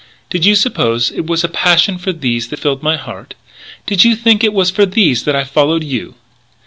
Did you suppose it was a passion for these that filled my heart? Did you think it was for these that I followed you?"